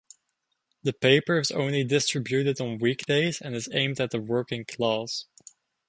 The paper is only distributed on weekdays and is aimed at the working class.